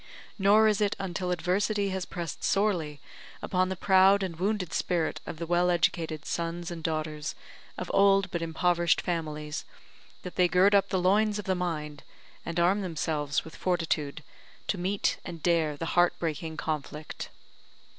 Nor is it until adversity has pressed sorely upon the proud and wounded spirit of the well educated sons and daughters of old but impoverished families, that they gird up the loins of the mind, and arm themselves with fortitude to meet and dare the heart breaking conflict.